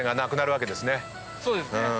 そうですね。